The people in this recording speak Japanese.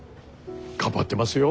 頑張ってますよ